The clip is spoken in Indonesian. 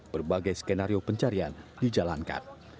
berbagai skenario pencarian dijalankan